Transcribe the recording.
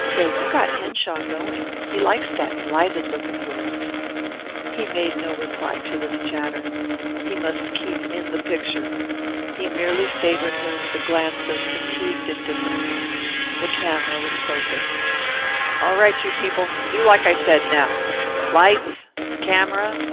Say, you got Henshaw going. He likes that blighted look of yours." He made no reply to this chatter. He must keep in the picture. He merely favoured her with a glance of fatigued indifference. The camera was focused. "All ready, you people. Do like I said, now. Lights, camera!"